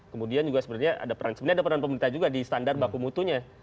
kemudian juga sebenarnya ada peran sebenarnya ada peran pemerintah juga di standar baku mutunya